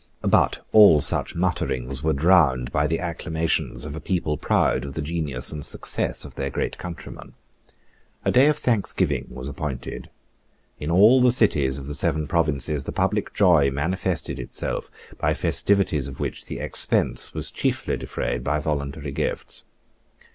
But all such mutterings were drowned by the acclamations of a people proud of the genius and success of their great countryman. A day of thanksgiving was appointed. In all the cities of the Seven Provinces the public joy manifested itself by festivities of which the expense was chiefly defrayed by voluntary gifts.